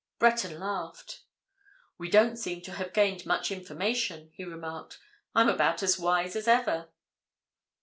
Breton laughed. "We don't seem to have gained much information," he remarked. "I'm about as wise as ever."